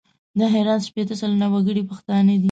د هرات شپېته سلنه وګړي پښتانه دي.